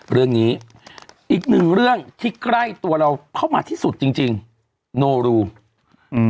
เรื่องนี้อีกหนึ่งเรื่องที่ใกล้ตัวเราเข้ามาที่สุดจริงจริงโนรูอืม